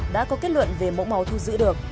đã có kết luận về mẫu màu thu giữ được